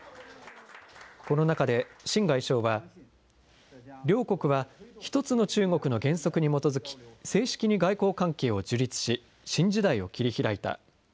この中で秦外相は、両国は１つの中国の原則に基づき、正式に外交関係を樹立し、新時代を切り開いた。